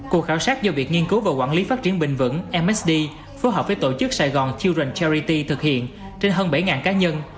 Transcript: cuộc khảo sát do viện nghiên cứu và quản lý phát triển bình vững msd phối hợp với tổ chức sài gòn children s charity thực hiện trên hơn bảy cá nhân